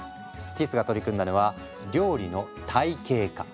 ティスが取り組んだのは料理の体系化。